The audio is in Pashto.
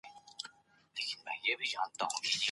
پوهه د بريا کيلي ده.